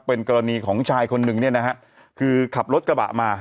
เป็นกรณีของชายคนหนึ่งเนี่ยนะฮะคือขับรถกระบะมา